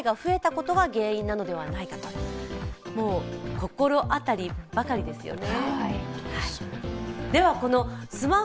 心当たりばかりですよね。